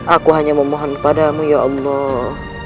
aku hanya memohon kepadamu ya allah